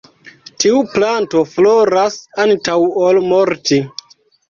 Tiu planto floras antaŭ ol morti.